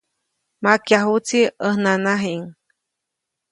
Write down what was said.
Makyajuʼtsi ʼäj nanajiʼŋ.